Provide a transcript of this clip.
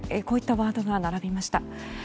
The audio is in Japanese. こういったワードが並びました。